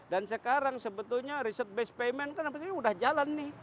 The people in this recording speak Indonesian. dan sekarang sebetulnya result based payment kan apasihnya udah jalan nih